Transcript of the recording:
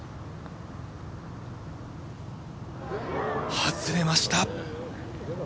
外れました。